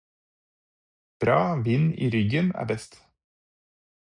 Bra vind i ryggen er best